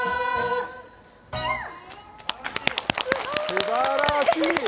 すばらしい！